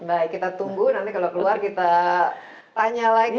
baik kita tunggu nanti kalau keluar kita tanya lagi